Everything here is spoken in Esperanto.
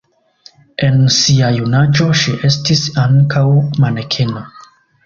En sia junaĝo ŝi estis ankaŭ manekeno.